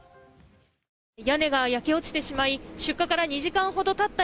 屋根が焼け落ちてしまい出火から２時間ほどたった